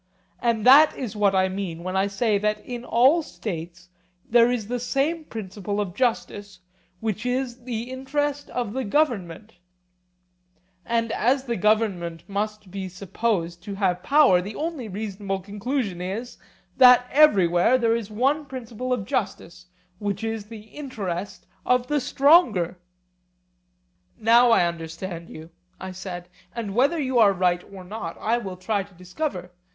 And that is what I mean when I say that in all states there is the same principle of justice, which is the interest of the government; and as the government must be supposed to have power, the only reasonable conclusion is, that everywhere there is one principle of justice, which is the interest of the stronger. Now I understand you, I said; and whether you are right or not I will try to discover.